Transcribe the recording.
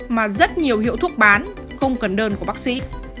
mà rất nhiều hiệu thuốc bán không cần đơn của bác sĩ